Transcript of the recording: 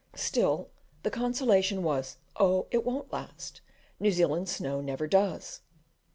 Still the consolation was, "Oh, it won't last; New Zealand snow never: does."